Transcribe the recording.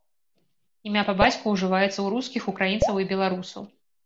Імя па бацьку ўжываецца ў рускіх, украінцаў і беларусаў.